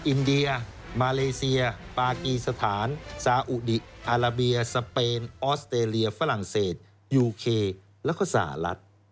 อินเดียมาเลเซียปากีสถานซาอุดีอาราเบียสเปนออสเตรเลียฝรั่งเศสยูเคแล้วก็สหรัฐ